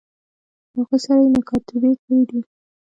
له هغوی سره یې مکاتبې کړي دي.